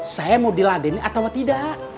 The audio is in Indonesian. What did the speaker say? saya mau diladini atau tidak